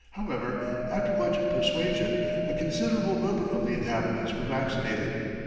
However, after much persuasion, a considerable number of the inhabitants were vaccinated.